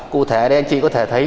cụ thể anh chị có thể thấy